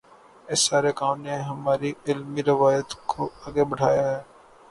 اس سارے کام نے ہماری علمی روایت کو آگے بڑھایا ہے۔